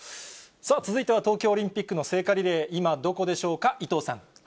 続いては東京オリンピックの聖火リレー、今どこでしょうか、伊藤さん。